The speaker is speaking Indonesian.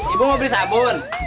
ibu mau beli sabun